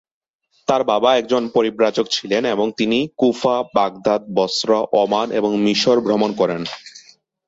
তার বাবা একজন পরিব্রাজক ছিলেন এবং তিনি কুফা, বাগদাদ, বসরা, ওমান এবং মিশর ভ্রমণ করেন।